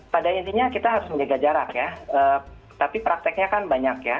pada intinya kita harus menjaga jarak ya tapi prakteknya kan banyak ya